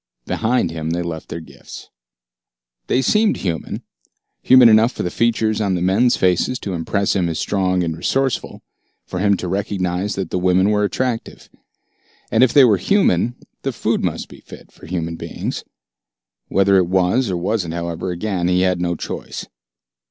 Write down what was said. Behind him they left their gifts. They seemed human, human enough for the features on the men's faces to impress him as strong and resourceful, for him to recognize that the women were attractive. And if they were human, the food must be fit for human beings. Whether it was or wasn't, however, again he had no choice.